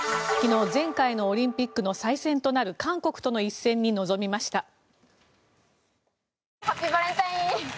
昨日、前回のオリンピックの再戦となる韓国との一戦に臨みました。